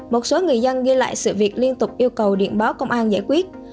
một số người dân ghi lại sự việc liên tục yêu cầu điện báo công an giải quyết